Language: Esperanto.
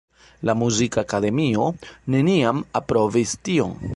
La muzika akademio neniam aprobis tion.